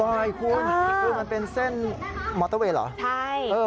บ่อยคุณคุณมันเป็นเส้นมอเตอร์เวย์หรือใช่